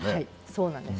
そうなんです。